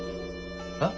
えっ？